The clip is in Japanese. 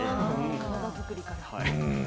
体作りから。